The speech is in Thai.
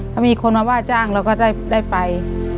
ถ้ามีคนมาว่าจ้างเราก็ได้ไป